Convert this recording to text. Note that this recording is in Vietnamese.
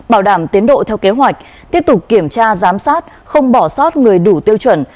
bảo đảm tiến độ theo kế hoạch tiếp tục kiểm tra giám sát không bỏ sót người đủ tiêu chuẩn